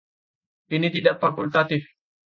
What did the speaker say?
Ini tidak fakultatif.